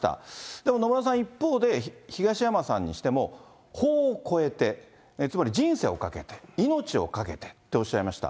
でも野村さん、一方で、東山さんにしても、法を超えて、つまり人生をかけて、命を懸けてっておっしゃいました。